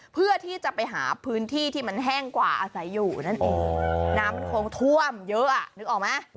เพื่อที่จะไปหาพื้นที่ที่มันแห้งกว่าอาศัยอยู่นั่นเองน้ำมันคงท่วมเยอะอ่ะนึกออกไหม